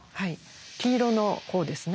黄色の方ですね。